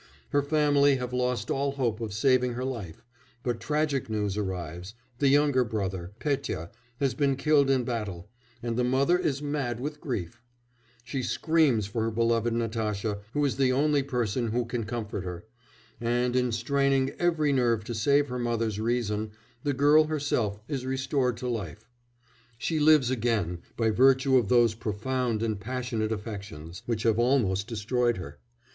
Her family have lost all hope of saving her life, but tragic news arrives; the younger brother Petya has been killed in battle, and the mother is mad with grief; she screams for her beloved Natasha, who is the only person who can comfort her, and, in straining every nerve to save her mother's reason, the girl herself is restored to life. She lives again by virtue of those profound and passionate affections which had almost destroyed her.